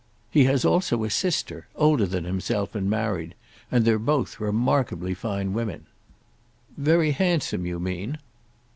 "He has also a sister, older than himself and married; and they're both remarkably fine women." "Very handsome, you mean?"